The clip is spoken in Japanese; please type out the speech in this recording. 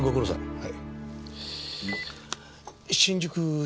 はい。